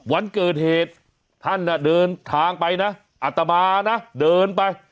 วันเกิดเหตุท่านเดินทางไปนะอัตมานะเดินไป